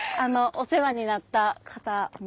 お世話になった方もいて。